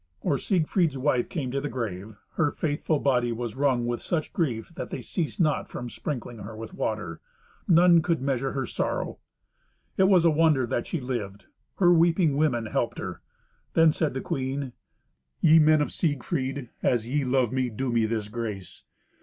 Or Siegfried's wife came to the grave, her faithful body was wrung with such grief that they ceased not from sprinkling her with water. None could measure her sorrow. It was a wonder that she lived. Her weeping women helped her. Then said the queen, "Ye men of Siegfried, as ye love me, do me this grace.